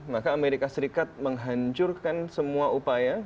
maka amerika serikat menghancurkan semua upaya